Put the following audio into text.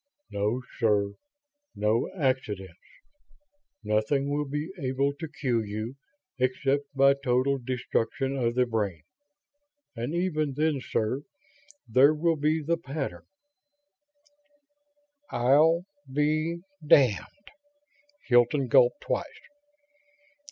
"No, sir. No accidents. Nothing will be able to kill you, except by total destruction of the brain. And even then, sir, there will be the pattern." "I'll ... be ... damned...." Hilton gulped twice.